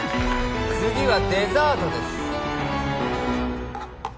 次はデザートです